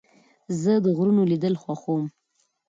زه د غرونو لیدل خوښوم.